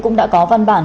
cũng đã có văn bản